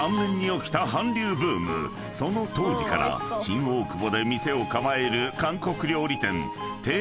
［その当時から新大久保で店を構える］